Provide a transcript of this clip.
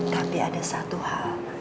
tapi ada satu hal